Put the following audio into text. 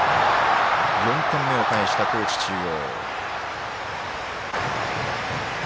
４点目をかえした、高知中央。